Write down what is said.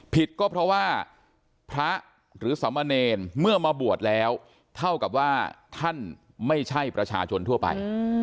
ผิดก็เพราะว่าพระหรือสมเนรเมื่อมาบวชแล้วเท่ากับว่าท่านไม่ใช่ประชาชนทั่วไป